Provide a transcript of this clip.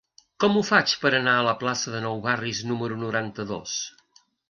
Com ho faig per anar a la plaça de Nou Barris número noranta-dos?